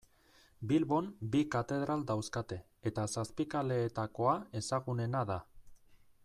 Bilbon bi katedral dauzkate eta Zapikaleetakoa ezezagunena da.